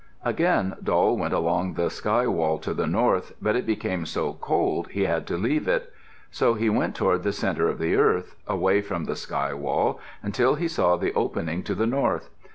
Again Doll went along the sky wall to the north, but it became so cold he had to leave it. So he went toward the centre of the earth, away from the sky wall, until he saw the opening to the north.